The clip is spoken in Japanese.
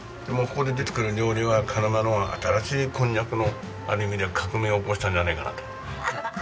でもここで出てくる料理は鹿沼の新しいこんにゃくのある意味では革命を起こしたんじゃないかなと。